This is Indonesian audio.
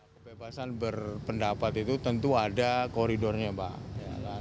kebebasan berpendapat itu tentu ada koridornya pak